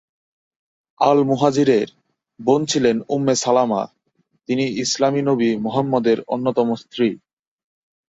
আল-মুহাজিরের বোন ছিলেন Umm Salama, তিনি ইসলামী নবী মুহাম্মদের অন্যতম স্ত্রী।